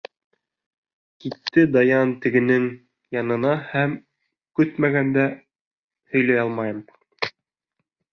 Китте Даян тегенең янына һәм... көтмәгәндә... һөйләй алмайым.